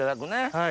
はい。